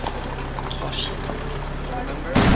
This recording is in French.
Trois chiennes.